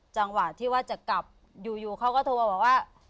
จังหวะที่ว่าจะกลับอยู่เขาก็โทรบอกว่า